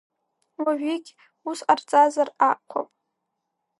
Уажәыгь ус ҟарҵазар акәхап.